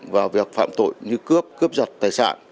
vào việc phạm tội như cướp cướp giật tài sản